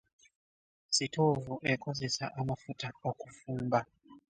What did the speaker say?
Sitoovu ekozesa amafuta okufumba.